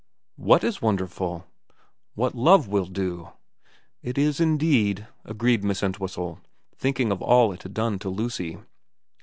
4 What is wonderful 1 '' What love will do.' ' It is indeed,' agreed Miss Entwhistle, thinking of all it had done to Lucy.